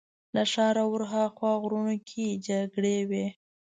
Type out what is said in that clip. له ښاره ورهاخوا غرو کې جګړې وې.